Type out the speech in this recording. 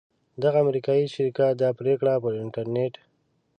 دغه امریکایي شرکت دا پریکړه پر انټرنیټ